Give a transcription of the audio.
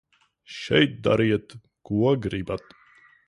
Šeit dariet, ko gribat.